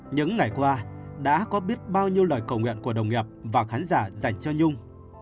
những ngày qua đã có biết bao nhiêu lời cầu nguyện của đồng nghiệp và khán giả dành cho nhung